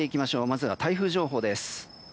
まずは台風情報です。